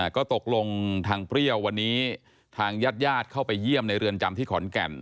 ก็ตกลงทางเปรี้ยววันนี้ทางญาติญาติเข้าไปเยี่ยมในเรือนจำที่ขอนแก่น